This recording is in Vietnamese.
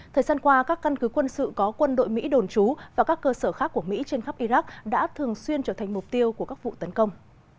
thời gian qua các căn cứ quân sự có quân đội mỹ đồn trú và các cơ sở khác của mỹ trên khắp iraq đã thường xuyên trở thành mục tiêu của các vụ tấn công